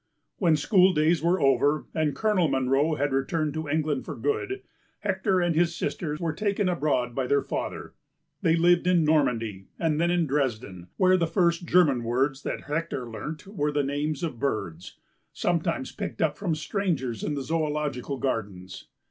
When school days were over and Colonel Munro had returned to England for good, Hector and his sister were taken abroad by their father. They lived in Normandy and then in Dresden, where the first German words that Hector learnt were the names of birds, sometimes picked up from strangers in the zoological gardens.